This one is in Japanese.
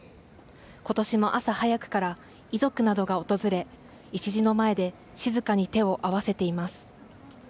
ことしも朝早くから遺族などが訪れ、礎の前で、静かに手を合わせています。